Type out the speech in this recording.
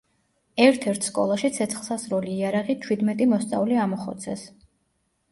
ერთ-ერთ სკოლაში ცეცხლსასროლი იარაღით ჩვიდმეტი მოსწავლე ამოხოცეს.